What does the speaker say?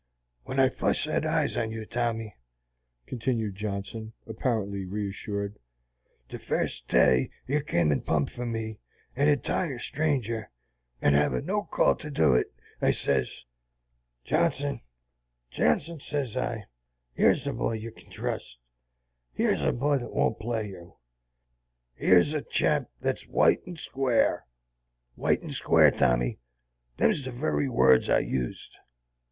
"When I fust set eyes on you, Tommy," continued Johnson, apparently reassured, "the fust day you kem and pumped for me, an entire stranger, and hevin no call to do it, I sez, 'Johnson, Johnson,' sez I,' yer's a boy you kin trust. Yer's a boy that won't play you; yer's a chap that's white and square,' white and square, Tommy: them's the very words I used."